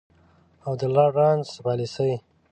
او د لارډ لارنس پالیسي.